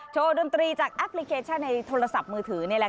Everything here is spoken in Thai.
โชว์ดนตรีจากแอปพลิเคชันในโทรศัพท์มือถือ